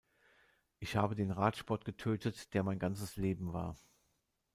Ich habe den Radsport getötet, der mein ganzes Leben war.